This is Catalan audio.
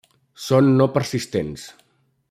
Són no persistents.